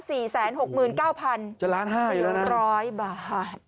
จะ๑๕๐๐๐๐๐บาทแล้วนะคือ๑๐๐บาท